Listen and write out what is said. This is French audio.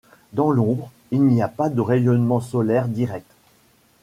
Dans l'ombre, il n'y a pas de rayonnement solaire direct.